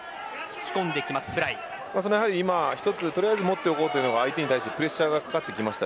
１つ取りあえず持っておこうというのが相手にプレッシャーがいきます。